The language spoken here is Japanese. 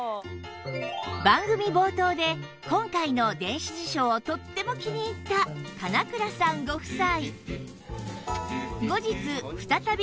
番組冒頭で今回の電子辞書をとっても気に入った神永倉さんご夫妻